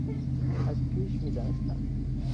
از پیش میدانستم.